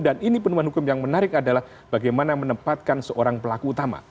dan ini penemuan hukum yang menarik adalah bagaimana menempatkan seorang pelaku utama